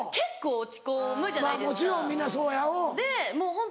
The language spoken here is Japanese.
もちろんみんなそうやうん。